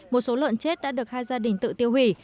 một số lợn chết đã được hai gia đình tự tiêu hủy